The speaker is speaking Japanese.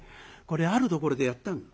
これあるところでやったの。